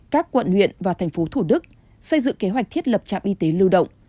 các quận huyện và thành phố thủ đức xây dựng kế hoạch thiết lập trạm y tế lưu động